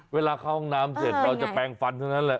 เวลาเข้าห้องน้ำเสร็จเราจะแปลงฟันเท่านั้นแหละ